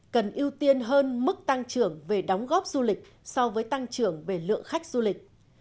cần ưu tiên hơn mức tăng trưởng về đóng góp du lịch so với tăng trưởng về lượng khách du lịch